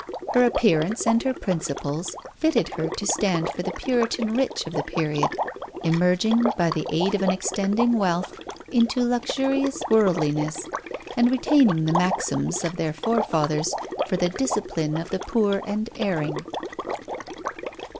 Her appearance and her principles fitted her to stand for the Puritan rich of the period, emerging by the aid of an extending wealth into luxurious worldliness, and retaining the maxims of their forefathers for the discipline of the poor and erring.